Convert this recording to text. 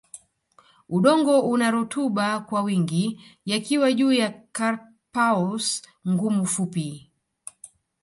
Udongo una rutuba kwa wingi yakiwa juu ya carpaous ngumu fupi